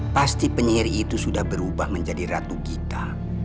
pasti penyihir itu sudah berubah menjadi ratu gita